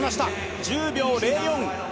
１０秒０４。